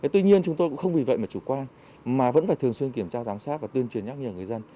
tuy nhiên chúng tôi cũng không vì vậy mà chủ quan mà vẫn phải thường xuyên kiểm tra giám sát và tuyên truyền nhắc nhở người dân